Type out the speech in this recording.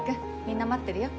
みんな待ってるよ。